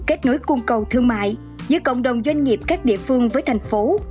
kết nối cung cầu thương mại giữa cộng đồng doanh nghiệp các địa phương với thành phố